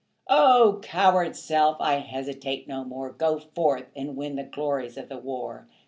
O! coward self I hesitate no more; Go forth, and win the glories of the war.